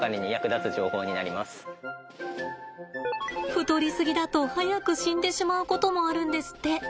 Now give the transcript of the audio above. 太りすぎだと早く死んでしまうこともあるんですって。